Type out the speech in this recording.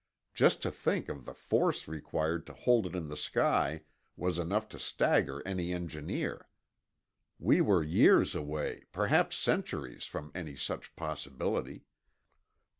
just to think of the force required to hold it in the sky was enough to stagger any engineer. We were years away—perhaps centuries—from any such possibility.